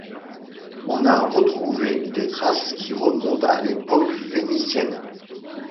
On a retrouvé des traces qui remontent à l'époque phénicienne.